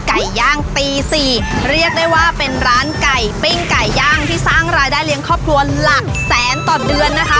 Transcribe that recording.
ไก่ย่างตีสี่เรียกได้ว่าเป็นร้านไก่ปิ้งไก่ย่างที่สร้างรายได้เลี้ยงครอบครัวหลักแสนต่อเดือนนะคะ